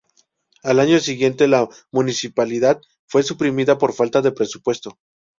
Al año siguiente la municipalidad fue suprimida por falta de presupuesto.